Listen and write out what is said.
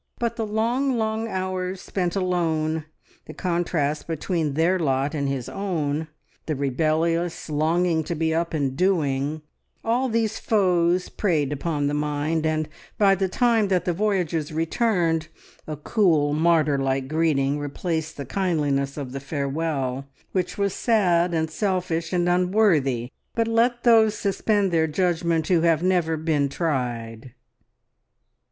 But the long, long hours spent alone, the contrast between their lot and his own, the rebellious longing to be up and doing, all these foes preyed upon the mind, and by the time that the voyagers returned, a cool, martyr like greeting replaced the kindliness of the farewell, which was sad, and selfish, and unworthy, but let those suspend their judgment who have never been tried!